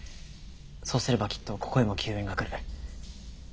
そうすればきっとここへも救援が来る。